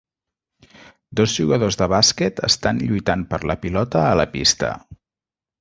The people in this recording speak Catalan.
Dos jugadors de bàsquet estan lluitant per la pilota a la pista.